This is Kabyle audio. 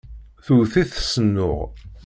Tewwet-it s nnuɛ.